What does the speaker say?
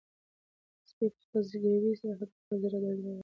سپي په خپل زګیروي سره د خپل زړه درد ووايه.